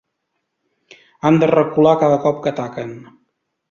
Han de recular cada cop que ataquen.